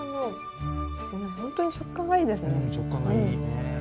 食感がいいね。